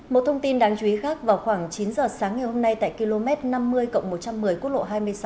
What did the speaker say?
một thông tin đáng chú ý khác vào khoảng chín giờ sáng ngày hôm nay tại km năm mươi một trăm một mươi quốc lộ hai mươi sáu